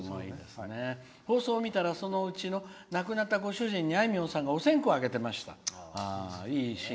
「放送を見たら亡くなったご主人にあいみょんさんがお線香をあげていました。